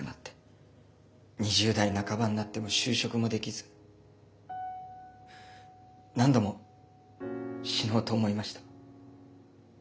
２０代半ばになっても就職もできず何度も死のうと思いました。